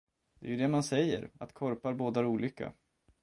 Det är ju det man säger, att korpar bådar olycka.